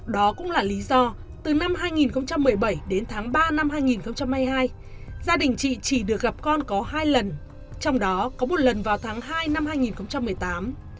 đó cũng là lý do từ năm hai nghìn một mươi bảy đến tháng ba năm hai nghìn hai mươi hai gia đình chị chỉ được gặp con có hai lần trong đó có một lần vào tháng hai năm hai nghìn một mươi tám